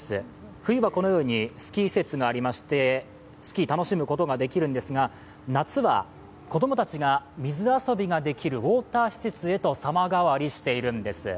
冬はこのようにスキー施設がありまして、スキー楽しむことができるんですが夏は子供たちが水遊びができるウォーター施設へと様変わりしているんです。